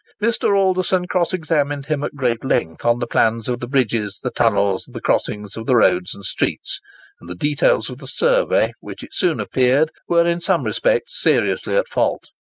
Mr. Alderson cross examined him at great length on the plans of the bridges, the tunnels, the crossings of the roads and streets, and the details of the survey, which, it soon clearly appeared, were in some respects seriously at fault.